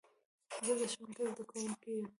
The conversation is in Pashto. زه د ښوونځي زده کوونکی یم.